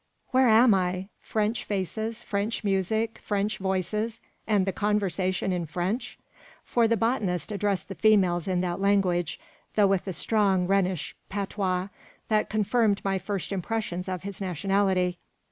"Where am I? French faces, French music, French voices, and the conversation in French!" for the botanist addressed the females in that language, though with a strong Rhenish patois, that confirmed my first impressions of his nationality.